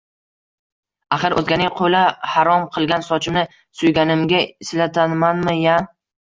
Аxir, oʼzganing qoʼli harom qilgan sochimni suyganimga silatamanmi-ya?